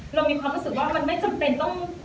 เรามีความรู้สึกว่ามันไม่จำเป็นต้อง